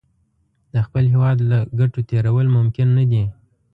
د خپل هېواد له ګټو تېرول ممکن نه دي.